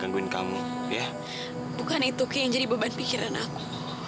kaguin kamu ya bukan itu yang jadi beban pikiran aku